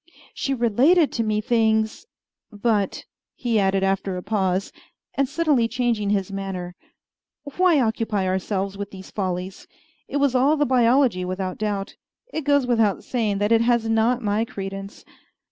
"She related to me things But," he added after a pause, and suddenly changing his manner, "why occupy ourselves with these follies? It was all the biology, without doubt. It goes without saying that it has not my credence.